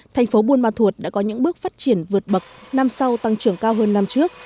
thành phố buôn ma thuột đã có những bước phát triển vượt bậc năm sau tăng trưởng cao hơn năm trước